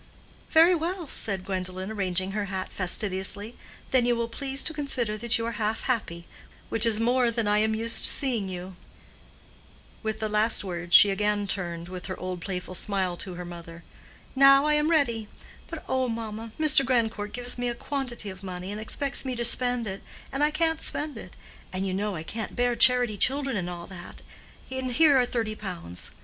"Very well," said Gwendolen, arranging her hat fastidiously, "then you will please to consider that you are half happy, which is more than I am used to seeing you." With the last words she again turned with her old playful smile to her mother. "Now I am ready; but oh, mamma, Mr. Grandcourt gives me a quantity of money, and expects me to spend it, and I can't spend it; and you know I can't bear charity children and all that; and here are thirty pounds.